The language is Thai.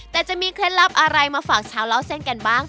แต่จะมีเคล็ดลับอะไรมาฝากชาวเล่าเส้นกันบ้าง